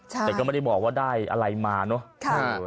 แต่ก็ไม่ได้บอกว่าได้อะไรมาเนอะ